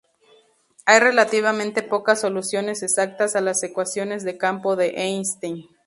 Hay relativamente pocas soluciones exactas a las ecuaciones de campo de Einstein.